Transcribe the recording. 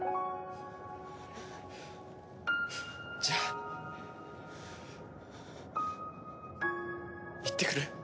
じゃあいってくる！